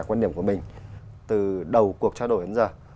quan điểm của mình từ đầu cuộc trao đổi đến giờ